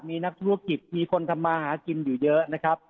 มีนักธุรกิจมีคนทำมาหากินอยู่เยอะนะครับ